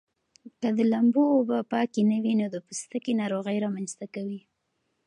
که د لامبو اوبه پاکې نه وي نو د پوستکي ناروغۍ رامنځته کوي.